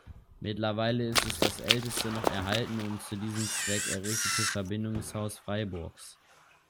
Mittlerweile ist es das älteste, noch erhaltene und zu diesem Zweck errichtete Verbindungshaus Freiburgs.